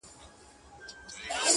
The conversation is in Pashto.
قتلول یې یوله بله په زرګونه -